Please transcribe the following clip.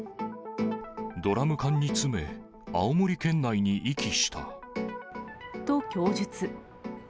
ドラム缶に詰め、青森県内にと供述。